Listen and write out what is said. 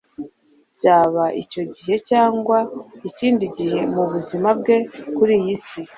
Byaba icyo gihe cyangwa ikindi gihe mu buzima bwe kuri iyi si,